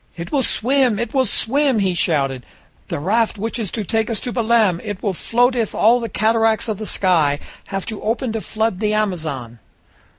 "It will swim, it will swim!" he shouted. "The raft which is to take us to Belem! It will float if all the cataracts of the sky have to open to flood the Amazon!"